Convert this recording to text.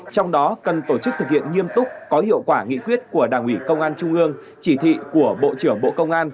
trong đó cần tổ chức thực hiện nghiêm túc có hiệu quả nghị quyết của đảng ủy công an trung ương